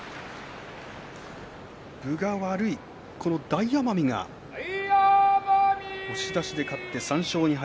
分が悪い大奄美が押し出しで勝って３勝２敗。